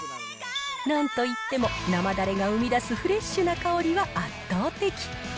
なんと言っても生だれが生み出すフレッシュな香りは圧倒的。